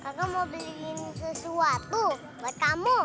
kamu mau beliin sesuatu buat kamu